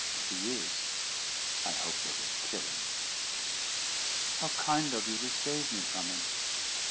If he is, I hope they will kill him." "How kind of you to save me from him!"